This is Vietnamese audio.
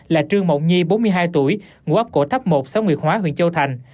là trương mộng nhi bốn mươi hai tuổi ngũ ấp cổ thấp một xã nguyệt hóa huyện châu thành